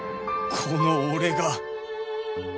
この俺が